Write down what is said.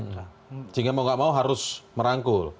nah sehingga mau gak mau harus merangkul